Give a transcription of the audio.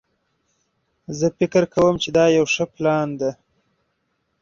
زه فکر کوم چې دا یو ښه پلان ده